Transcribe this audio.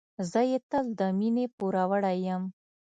زه یې تل د مينې پوروړی یم.